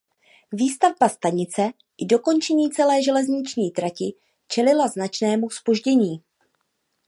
Výstavba stanice i dokončení celé železniční trati čelila značnému zpoždění.